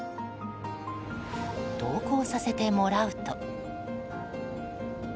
同行させてもらうと。